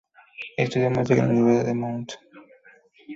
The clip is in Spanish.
Estudió música en la Universidad Mount St.